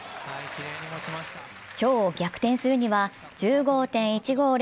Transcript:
張を逆転するには１５．１５０